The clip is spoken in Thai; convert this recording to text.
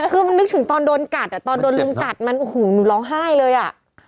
คือมันนึกถึงตอนโดนกัดอ่ะตอนโดนลุงกัดมันโอ้โหหนูร้องไห้เลยอ่ะ